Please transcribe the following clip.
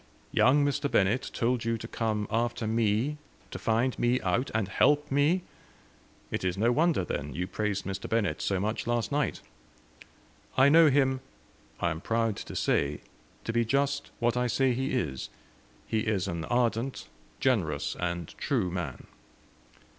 "Young Mr. Bennett told you to come after me, to find me out, and help me! It is no wonder, then, you praised Mr. Bennett so much last night." "I know him I am proud to say to be just what I say he is. He is an ardent, generous, and true man."